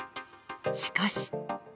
しかし。